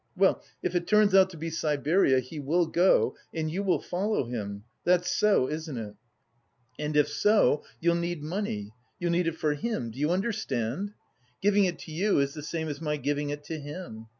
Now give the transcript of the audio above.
Well, if it turns out to be Siberia, he will go and you will follow him. That's so, isn't it? And if so, you'll need money. You'll need it for him, do you understand? Giving it to you is the same as my giving it to him.